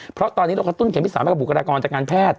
เพราะตอนนี้เรากระตุ้นเข็มที่๓ให้กับบุคลากรจากการแพทย์